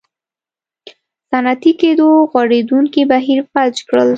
صنعتي کېدو غوړېدونکی بهیر فلج کړل.